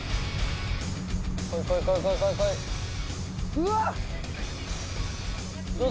うわっ！